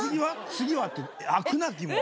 次は？って飽くなきもう。